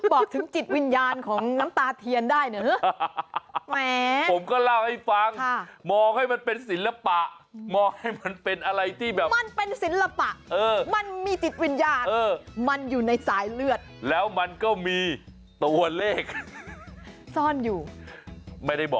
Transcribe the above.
บอกถึงจิตวิญญาณของน้ำตาเทียนได้เนอะ